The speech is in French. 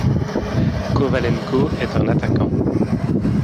Kovalenko est un attaquant.